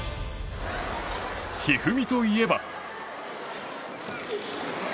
一二三といえば。